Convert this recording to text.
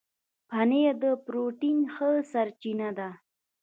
پنېر د پروټين ښه سرچینه ده.